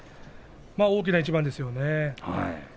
大きな一番ですよね。